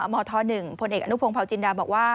มธหนึ่งพลเอกอนุพงศ์พจินดาบอกว่า